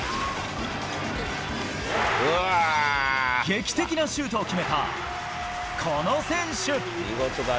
劇的なシュートを決めたこの選手。